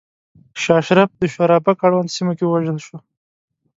شاه اشرف د شورابک اړونده سیمو کې ووژل شو.